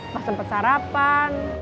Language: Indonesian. masa tempat sarapan